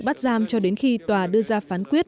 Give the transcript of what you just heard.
bắt giam cho đến khi tòa đưa ra phán quyết